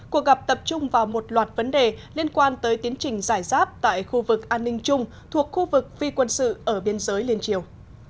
cuộc gặp tập trung vào một loạt vấn đề liên quan tới tiến trình giải giáp tại khu vực an ninh chung thuộc khu vực phi quân sự ở biên giới liên triều